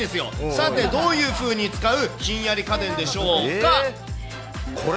さて、どういうふうに使うひんやり家電でしょうか。